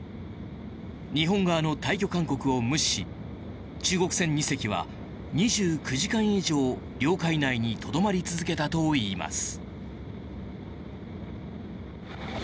日本側の退去勧告を無視し中国船２隻は２９時間以上、領海内にとどまり続けたといいます。